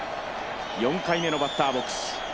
４回目のバッターボックス。